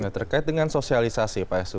terkait dengan sosialisasi pak hestu